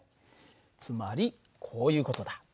つまりこういう事だ。